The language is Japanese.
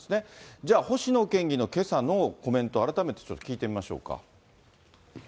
じゃあ、星野県議のけさのコメントを改めてちょっと聞いてみましょうか。